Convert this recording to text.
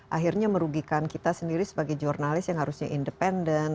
akhirnya merugikan kita sendiri sebagai jurnalis yang harusnya independen